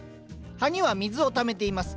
葉には水をためています。